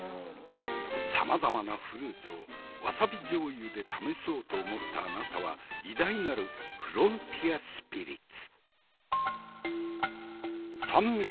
さまざまなフルーツをわさびじょうゆで試そうと思ったあなたは偉大なるフロンティアスピリッツ。